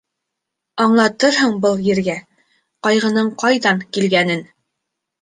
Аңлатырһың был Ергә ҡайғының ҡайҙан килгәнен.